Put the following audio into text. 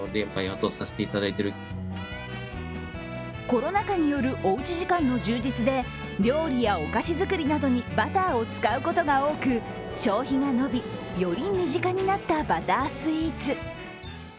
コロナ禍によるおうち時間の充実で料理やお菓子作りなどにバターを使うことが多く消費が伸び、より身近になったバタースイーツ。